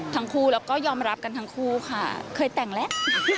ทางครูเราก็ยอมรับกันทางครูค่ะเคยแต่งแล้ว